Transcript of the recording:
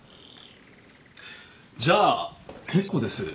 じゃあ結構です。